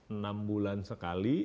enam bulan sekali